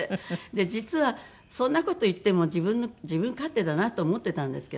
実はそんな事いっても自分勝手だなと思っていたんですけど。